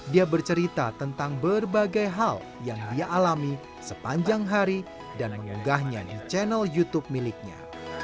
dia bercerita tentang berbagai hal yang dia alami sepanjang hari dan mengunggahnya di channel youtube miliknya